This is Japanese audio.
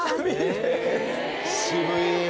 渋い。